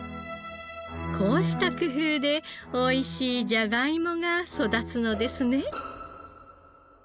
こうした工夫でおいしいじゃがいもが育つのですね。